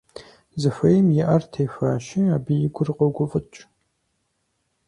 Зыхуейм и Ӏэр техуащи, абы и гур къогуфӀыкӀ.